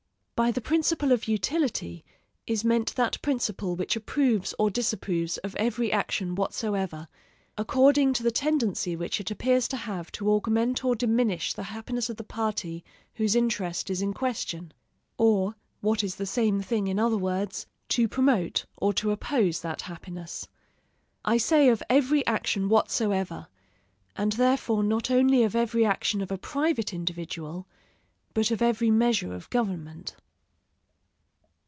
By the principle of utility is meant that principle which approves or disapproves of every action whatsoever, according to the tendency which it appears to have to augment or diminish the happiness of the party whose interest is in question; or, what is the same thing in other words, to promote or to oppose that happiness. I say of every action whatsoever; and therefore not only of every action of a private individual, but of every measure of government.